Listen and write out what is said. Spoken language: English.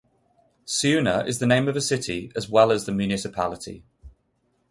Siuna is the name of the city as well as the municipality.